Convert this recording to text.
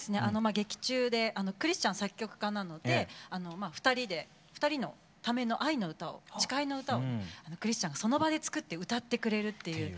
劇中でクリスチャン作曲家なので２人のための愛の歌を誓いの歌をクリスチャンがその場で作って歌ってくれるっていう。